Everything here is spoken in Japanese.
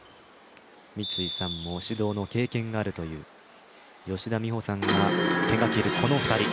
三井さんも指導の経験があるという吉田美保さんが手がけるこの２人。